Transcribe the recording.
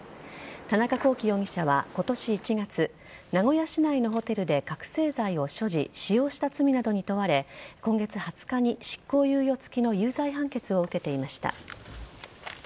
田中聖容疑者は今年１月名古屋市内のホテルで覚醒剤を所持、使用した罪などに問われ今月２０日に執行猶予付きの有罪判決を受けていました。